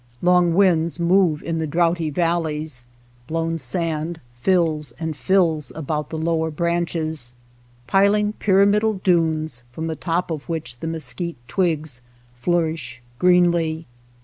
Long winds move in the draughty valleys, blown sand fills and fills about the lower branches, piling pyramidal dunes, from the top of which the mesquite twigs flourish greenly.